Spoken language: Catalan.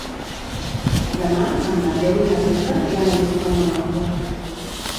Demà en Mateu i na Rita iran a visitar mon oncle.